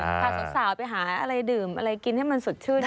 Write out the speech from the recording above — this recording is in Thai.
พาสาวไปหาอะไรดื่มอะไรกินให้มันสดชื่น